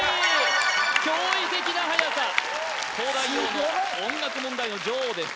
驚異的なはやさすごい「東大王」の音楽問題の女王です